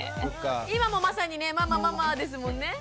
今もまさにねママママですもんね。